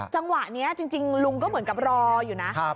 จังหวะนี้จริงลุงก็เหมือนกับรออยู่นะ